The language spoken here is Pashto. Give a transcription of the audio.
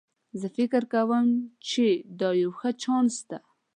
زه فکر کوم چې دا یو ښه چانس ده